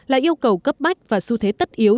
là yêu cầu cấp bách và xu thế tất yếu